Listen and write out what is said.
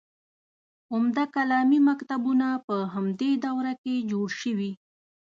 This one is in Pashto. عمده کلامي مکتبونه په همدې دوره کې جوړ شوي.